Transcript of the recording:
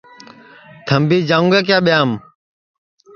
تھمبی جاؤں گے کیا ٻیایم